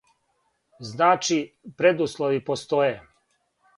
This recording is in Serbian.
Значи, предуслови постоје.